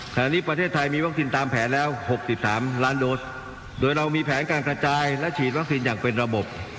ขณะนี้ประเทศไทยมีวัคซีนตามแผนแล้ว๖๓ล้านโดสโดยเรามีแผนการกระจายและฉีดวัคซีนอย่างเป็นระบบ